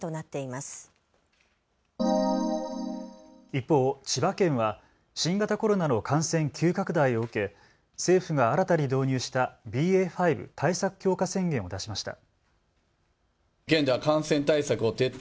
一方、千葉県は新型コロナの感染急拡大を受け政府が新たに導入したＢＡ．５対策強化宣言を出しました。